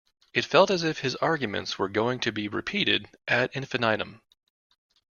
It felt as if his arguments were going to be repeated ad infinitum